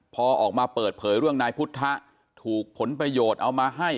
พอออกมาเปิดเผยเรื่องนายพุทธะถูกผลประโยชน์เอามาให้